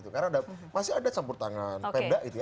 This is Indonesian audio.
karena masih ada campur tangan pendak itu ya